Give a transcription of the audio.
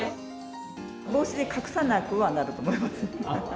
帽子で隠さなくはなると思いますね。